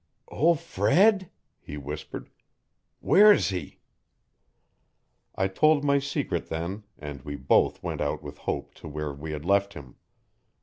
'Ol' Fred!' he whispered, 'where's he?' I told my secret then and we both went out with Hope to where we had left him.